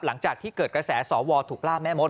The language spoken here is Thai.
หลังจากที่เกิดกระแสสวถูกล่าแม่มด